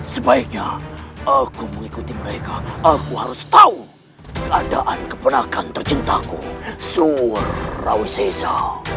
sebaiknya aku mengikuti mereka aku harus tahu keadaan keponakan tercinta kusur rawisesa